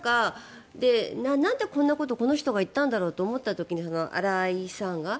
なんでこんなことをこの人が言ったんだろうと思った時に、荒井さんが。